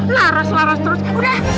laras laras terus udah